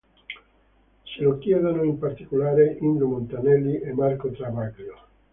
Se lo chiedono in particolare Indro Montanelli e Marco Travaglio.